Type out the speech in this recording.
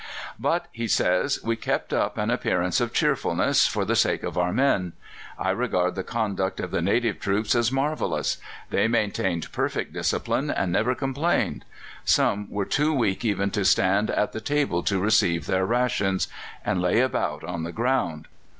"But," he says, "we kept up an appearance of cheerfulness for the sake of our men. I regard the conduct of the native troops as marvellous; they maintained perfect discipline, and never complained. Some were too weak even to stand at the table to receive their rations, and lay about on the ground.